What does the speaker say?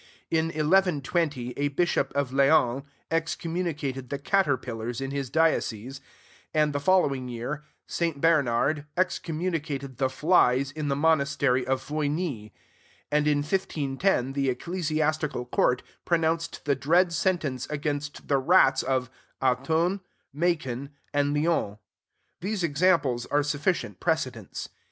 In 1120 a bishop of Laon excommunicated the caterpillars in his diocese; and, the following year, St. Bernard excommunicated the flies in the Monastery of Foigny; and in 1510 the ecclesiastical court pronounced the dread sentence against the rats of Autun, Macon, and Lyons. These examples are sufficient precedents.